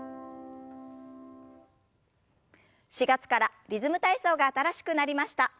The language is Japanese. ４月からリズム体操が新しくなりました。